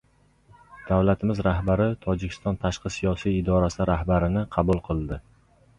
Davlatimiz rahbari Tojikiston tashqi siyosiy idroasi rahbarini qabul qildi